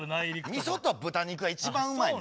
みそと豚肉が一番うまいねん！